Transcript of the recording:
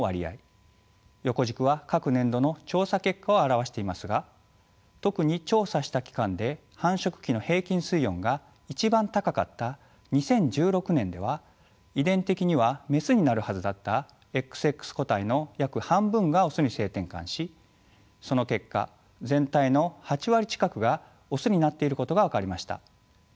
横軸は各年度の調査結果を表していますが特に調査した期間で繁殖期の平均水温が一番高かった２０１６年では遺伝的にはメスになるはずだったＸＸ個体の約半分がオスに性転換しその結果全体の８割近くがオスになっていることが分かりました。